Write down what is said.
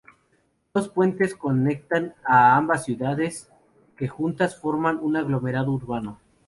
Dos puentes conectan a ambas ciudades, que juntas forman un aglomerado urbano.